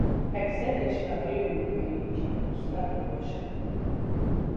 اکثر کشورهای اروپایی کم وسعت میباشند.